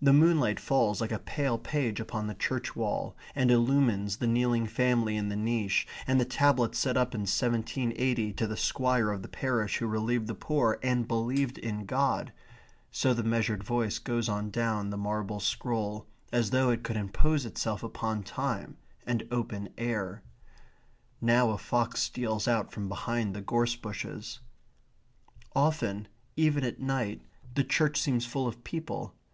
The moonlight falls like a pale page upon the church wall, and illumines the kneeling family in the niche, and the tablet set up in 1780 to the Squire of the parish who relieved the poor, and believed in God so the measured voice goes on down the marble scroll, as though it could impose itself upon time and the open air. Now a fox steals out from behind the gorse bushes. Often, even at night, the church seems full of people.